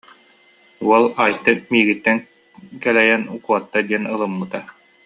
Уол Айта миигиттэн кэлэйэн, куотта диэн ылыммыта